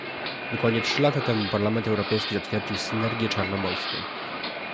Dokładnie trzy lata temu Parlament Europejski zatwierdził "Synergię czarnomorską"